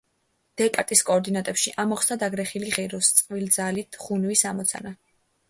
დეკარტის კოორდინატებში ამოხსნა დაგრეხილი ღეროს წყვილძალით ღუნვის ამოცანა.